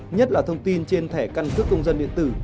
nhất là thông tin trên thẻ căn cước công dân điện tử